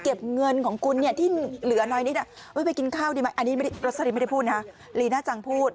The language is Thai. เก็บเงินของคุณที่เหลือน้อยนี่เบ้ยพี่ลีน่าจังพูด